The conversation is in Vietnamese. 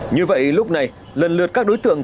như vậy lúc này lần lượt các đối tượng